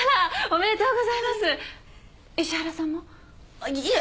あっいえ。